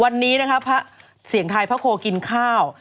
วันนี้นะคะพระเสียงทายพระโคกินข้าว